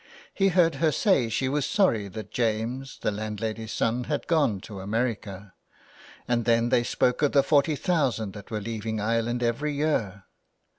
He heard her say she was sorry that James, the landlady's son, had gone to America, and then they spoke of the forty thousand that were leaving Ireland every year.